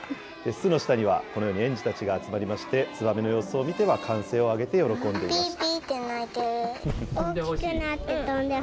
巣の下には、このように園児たちが集まりまして、ツバメの様子を見ては、歓声を上げて喜んでいました。